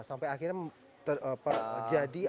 sampai akhirnya terjadi